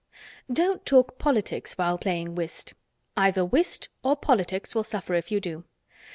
Don't talk politics while playing whist. Either whist or politics will suffer if you do.